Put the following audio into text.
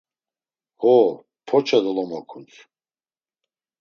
Ho, porça dolomokuns.